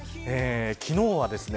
昨日はですね